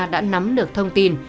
đã nắm được thông tin